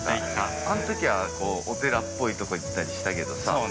あのときはお寺っぽいところ行ったりしたけどさ。